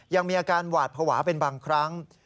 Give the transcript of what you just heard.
ยังมีอาการหวาดภาวะเป็นบางครั้ง